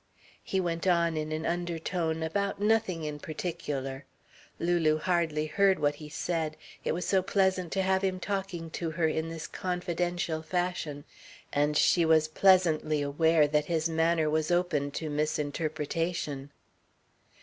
He went on, in an undertone, about nothing in particular. Lulu hardly heard what he said, it was so pleasant to have him talking to her in this confidential fashion; and she was pleasantly aware that his manner was open to misinterpretation.